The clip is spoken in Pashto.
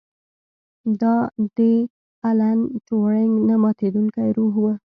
دا د الن ټورینګ نه ماتیدونکی روح و